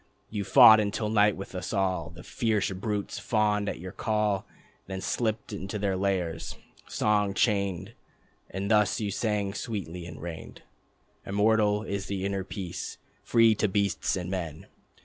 You wrought until night with us all. The fierce brutes fawned at your call, Then slipped to their lairs, song chained. And thus you sang sweetly, and reigned: "Immortal is the inner peace, free to beasts and men.